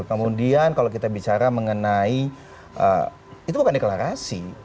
kemudian kalau kita bicara mengenai itu bukan deklarasi